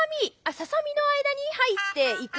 ささ身の間に入っていく？